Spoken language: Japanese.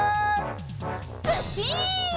ずっしん！